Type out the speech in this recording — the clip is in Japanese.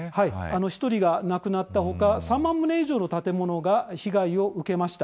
１人が亡くなったほか、３万棟以上の建物が被害を受けました。